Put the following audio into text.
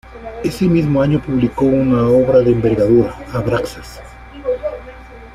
Ese mismo año publicó una obra de envergadura, "Abraxas".